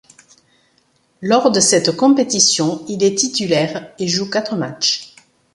Lors de cette compétition, il est titulaire et joue quatre matchs.